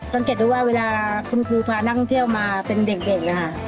สังเกตดูว่าเวลาคุณครูพานักท่องเที่ยวมาเป็นเด็กนะคะ